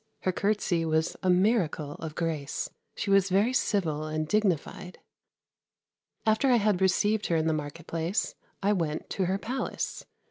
Her curtsey was a miracle of grace. She was very civil and dignified. After I had received her in the market place, I went to her palace.